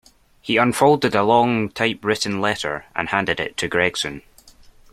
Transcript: He unfolded a long typewritten letter, and handed it to Gregson.